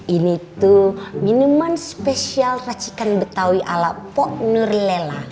ini tuh minuman spesial racikan betawi ala pok nur lela